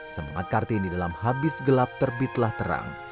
semangat kartini dalam habis gelap terbitlah terang